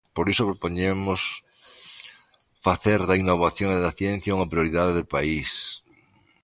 Por iso, propoñemos facer da innovación e da ciencia unha prioridade de país.